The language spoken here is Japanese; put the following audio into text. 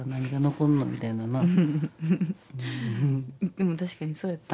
でも確かにそうやった。